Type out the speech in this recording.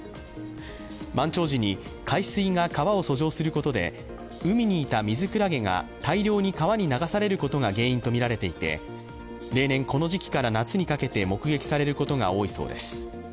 満潮時に海水が川を遡上することで海にいたミズクラゲが大量に川に流されることが原因とみられていて例年この時期から夏にかけて目撃されることが多いそうです。